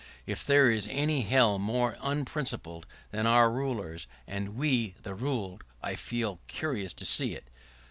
If there is any hell more unprincipled than our rulers, and we, the ruled, I feel curious to see it.